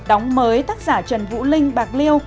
đóng mới tác giả trần vũ linh bạc liêu